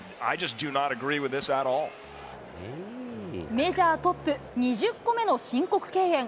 メジャートップ、２０個目の申告敬遠。